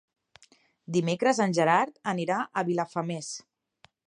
Dimecres en Gerard anirà a Vilafamés.